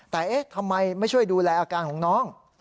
แต่เอ๊ะทำไมไม่ช่วยดูแลอาการของน้อง